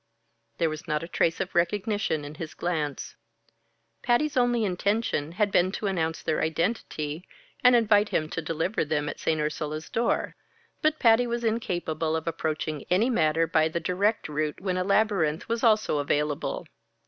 There was not a trace of recognition in his glance. Patty's only intention had been to announce their identity, and invite him to deliver them at St. Ursula's door, but Patty was incapable of approaching any matter by the direct route when a labyrinth was also available.